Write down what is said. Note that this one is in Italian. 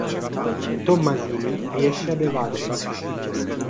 Tommasini riesce ad evadere.